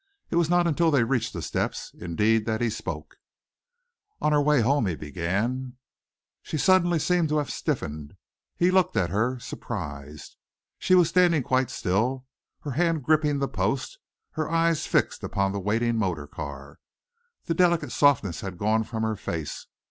It was not until they reached the steps, indeed, that he spoke. "On our way home " he began. She seemed suddenly to have stiffened. He looked at her, surprised. She was standing quite still, her hand gripping the post, her eyes fixed upon the waiting motor car. The delicate softness had gone from her face.